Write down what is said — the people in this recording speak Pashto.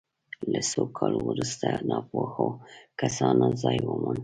له څو کالو وروسته ناپوهو کسانو ځای وموند.